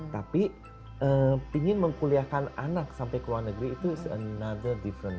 tapi ingin mengkuliahkan anak sampai keluar negeri itu adalah hal yang berbeda